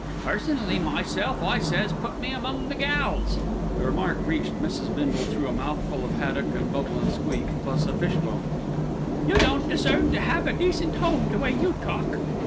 "Personally myself I says put me among the gals." The remark reached Mrs. Bindle through a mouthful of haddock and bubble and squeak, plus a fish bone. "You don't deserve to have a decent home, the way you talk."